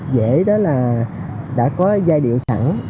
dễ đó là đã có giai điệu sẵn